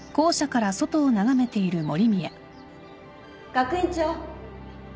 ・学院長。